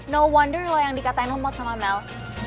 no wonder lo yang dikatain lemot sama mel